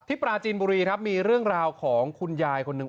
ปราจีนบุรีครับมีเรื่องราวของคุณยายคนหนึ่ง